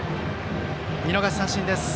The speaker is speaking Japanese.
見逃し三振です。